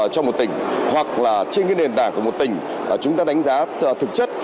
cho một tỉnh hoặc là trên nền tảng của một tỉnh chúng ta đánh giá thực chất